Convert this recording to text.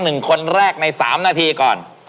หนึ่งคนแรกในสามนาทีก่อน